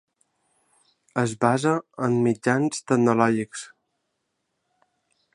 Es basa en mitjans tecnològics.